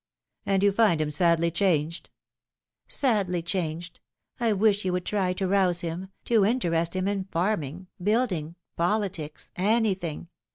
" And you find him sadly changed ?"" Sadly changed. I wish you would try to rouse him to interest him in farming building politics anything.